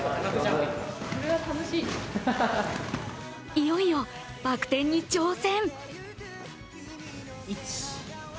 いよいよバク転に挑戦。